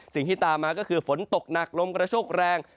สิ่งที่ตามมาก็คือฝนตกหนักลมกระโชคแรง